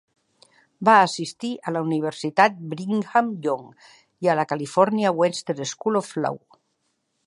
Va assistir a la Universitat Brigham Young i a la California Western School of Law.